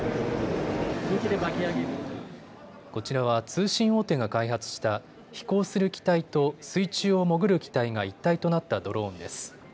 こちらは通信大手が開発した飛行する機体と水中を潜る機体が一体となったドローンです。